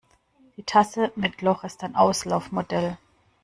Die Tasse mit Loch ist ein Auslaufmodell.